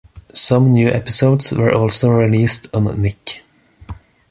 Some new episodes were also released on Nick.